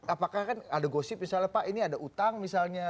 apakah kan ada gosip misalnya pak ini ada utang misalnya